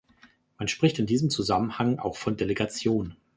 Man spricht in diesem Zusammenhang auch von Delegation.